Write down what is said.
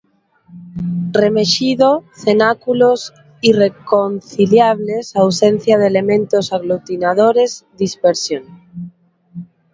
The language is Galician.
Remexido, cenáculos irreconciliables, ausencia de elementos aglutinadores, dispersión.